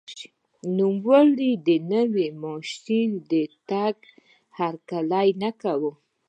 نوموړي د نوې ماشیۍ د راتګ هرکلی نه کاوه.